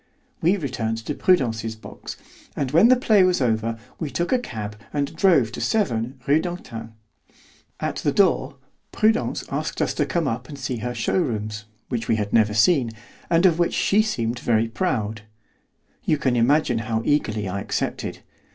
We returned to Prudence's box, and when the play was over we took a cab and drove to 7, Rue d'Antin. At the door, Prudence asked us to come up and see her showrooms, which we had never seen, and of which she seemed very proud. You can imagine how eagerly I accepted.